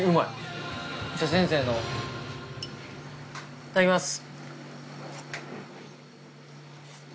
いただきます！